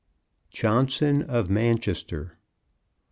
JOHNSON OF MANCHESTER.